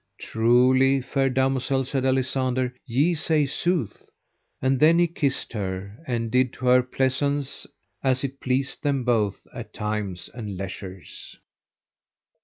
Truly, fair damosel, said Alisander, ye say sooth. And then he kissed her, and did to her pleasaunce as it pleased them both at times and leisures.